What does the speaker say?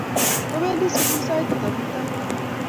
Opendi sukul sait ata mutai?